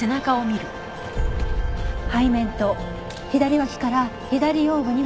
背面と左脇から左腰部にも死斑。